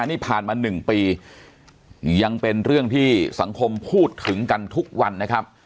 นี่ผ่านมา๑ปียังเป็นเรื่องที่สังคมพูดถึงกันทุกวันนะครับ